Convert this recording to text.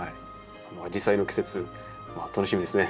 アジサイの季節楽しみですね。